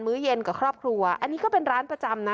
ื้อเย็นกับครอบครัวอันนี้ก็เป็นร้านประจำนะ